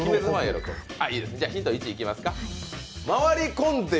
ヒント１いきますか。